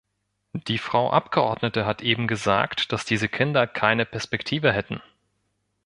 Die Frau Abgeordnete hat eben gesagt, dass diese Kinder keine Perspektive hätten.